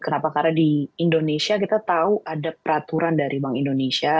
karena di indonesia kita tahu ada peraturan dari bank indonesia